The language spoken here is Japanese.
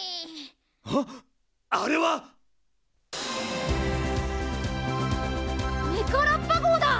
はっあれは⁉メカラッパ号だ！